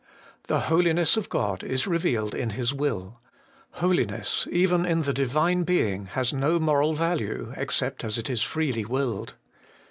The Holiness of God is revealed in His will. Holiness even in the Divine Being has no moral value except as it is freely willed.